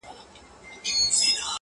شپه تر سهاره پر لمبو ګرځې -